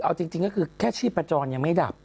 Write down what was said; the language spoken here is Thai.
เอาจริงแค่ชีพประจองยังไม่ดับ